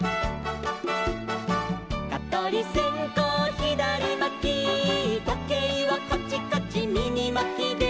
「かとりせんこうひだりまき」「とけいはカチカチみぎまきで」